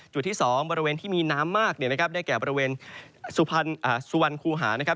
จุดที่๒บริเวณที่มีน้ำมากเนี่ยนะครับได้แก่บริเวณสุวรรณคูหานะครับ